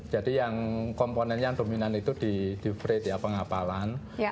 jadi yang komponen yang dominan itu di freight ya pengapalan